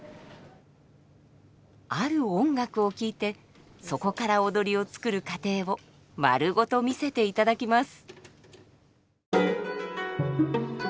ある音楽を聴いてそこから踊りを作る過程を丸ごと見せていただきます。